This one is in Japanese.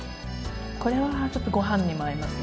これはちょっとごはんにも合いますね。